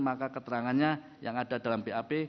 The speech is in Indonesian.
maka keterangannya yang ada dalam bap